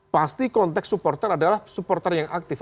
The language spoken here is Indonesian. pasti konteks supporter adalah supporter yang aktif